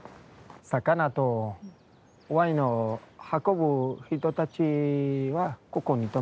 魚とワインを運ぶ人たちはここに泊まった。